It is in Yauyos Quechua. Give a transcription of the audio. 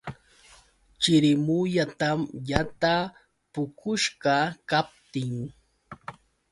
Chirimuyatam yataa puqushqa kaptin.